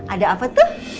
ada apa tuh